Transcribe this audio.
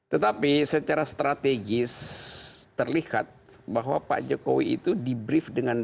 tetapi secara strategis terlihat bahwa pak jokowi itu di brief dengan